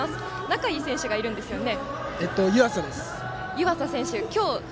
仲のいい選手がいるんですよね。